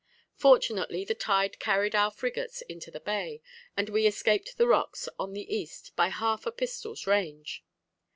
Fortunately the tide carried our frigates into the bay, and we escaped the rocks on the east by half a pistol's range.